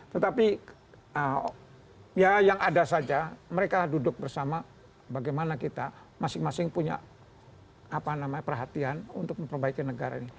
tetapi ya yang ada saja mereka duduk bersama bagaimana kita masing masing punya perhatian untuk memperbaiki negara ini